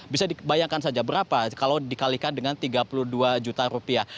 bisa dibayangkan saja berapa kalau dikalikan dengan tiga puluh dua juta rupiah